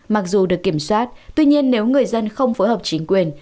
mặc dù được kiểm soát tuy nhiên nếu người dân không phối hợp chính quyền